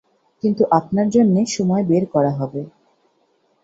কিন্তু আপনার জন্যে সময় বের করা হবে।